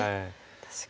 確かに。